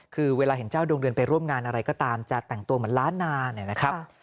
คือเวลาเห็นเจ้าดวงเดือนไปร่วมงานอะไรก็ตามจะแต่งตัวเหมือนล้านนาเนี่ยนะครับ